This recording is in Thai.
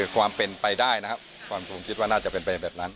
ความเป็นไปได้นะครับความผมคิดว่าน่าจะเป็นไปแบบนั้น